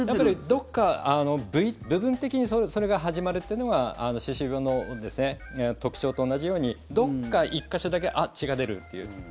どこか部分的にそれが始まるというのが歯周病の特徴と同じようにどこか１か所だけ血が出るという。